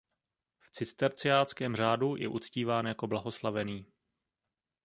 V cisterciáckém řádu je uctíván jako blahoslavený.